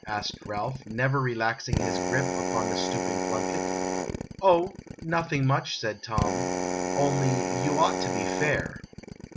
" asked Ralph, never relaxing his grip upon the stooping Plunkett. " Oh, nothing much," said Tom ;" only you ought to be fair."